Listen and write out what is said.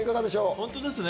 本当ですね。